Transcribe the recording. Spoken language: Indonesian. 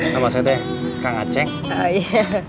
nama sete kang aceh